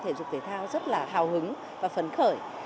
thể dục thể thao rất là hào hứng và phấn khởi